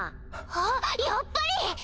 あっやっぱり！